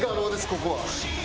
ここは。